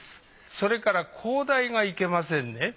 それから高台がいけませんね。